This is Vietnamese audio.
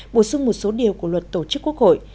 bổ sung một số điều của luật tổ chức quốc hội